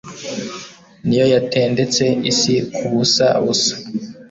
ni yo yatendetse isi ku busa busa